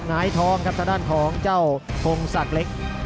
หงายทองครับทางด้านทองเจ้าคงสักเล็ก